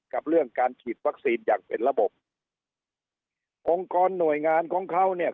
กับเรื่องการฉีดวัคซีนอย่างเป็นระบบองค์กรหน่วยงานของเขาเนี่ย